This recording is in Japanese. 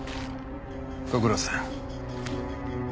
ご苦労さん。